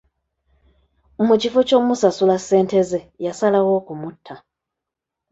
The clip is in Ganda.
Mu kifo ky'okumusasula ssente ze, yasalawo okumutta.